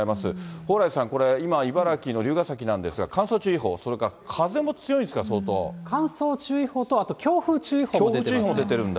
蓬莱さん、これ、今、茨城の龍ケ崎なんですが、乾燥注意報、それから風も強いんですか乾燥注意報と、あと強風注意報も出ています。